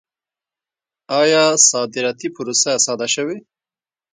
آیا صادراتي پروسه ساده شوې؟